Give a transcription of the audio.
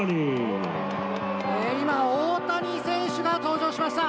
今、大谷選手が登場しました。